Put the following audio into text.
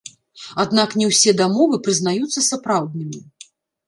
Аднак не ўсе дамовы прызнаюцца сапраўднымі.